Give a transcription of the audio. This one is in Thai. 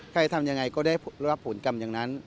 ทำยังไงก็ได้รับผลกรรมอย่างนั้น